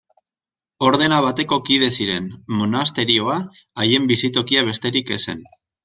Ordena bateko kide ziren: monasterioa haien bizitokia besterik ez zen.